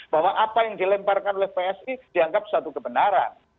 bahwa apa yang dilemparkan oleh psi dianggap satu kebenaran